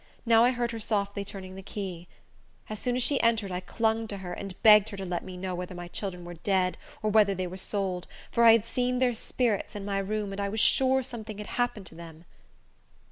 Now I heard her softly turning the key. As soon as she entered, I clung to her, and begged her to let me know whether my children were dead, or whether they were sold; for I had seen their spirits in my room, and I was sure something had happened to them.